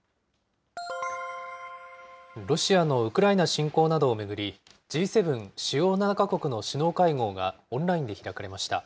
ロシアのウクライナ侵攻などを巡り、Ｇ７・主要７か国の首脳会合がオンラインで開かれました。